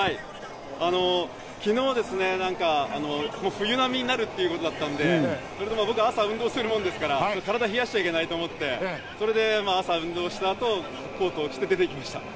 昨日ですね、冬並みになるということだったので、僕、朝運動するもんですから体を冷やしちゃいけないと思って、朝、運動した後、コートを着て出てきました。